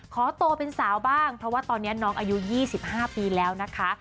โตเป็นสาวบ้างเพราะว่าตอนนี้น้องอายุ๒๕ปีแล้วนะคะ